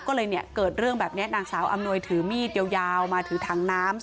ก็เลยเนี่ยเกิดเรื่องแบบนี้นางสาวอำนวยถือมีดยาวมาถือถังน้ำ